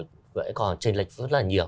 kinh tế còn trình lệch rất là nhiều